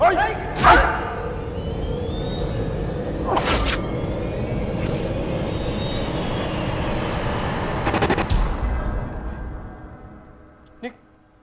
ยิง